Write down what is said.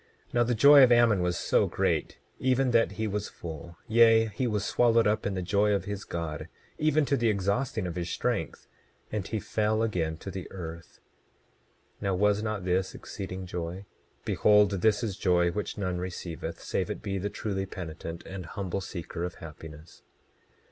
27:17 Now the joy of Ammon was so great even that he was full; yea, he was swallowed up in the joy of his God, even to the exhausting of his strength; and he fell again to the earth. 27:18 Now was not this exceeding joy? Behold, this is joy which none receiveth save it be the truly penitent and humble seeker of happiness.